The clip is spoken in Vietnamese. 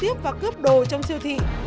trực tiếp và cướp đồ trong siêu thị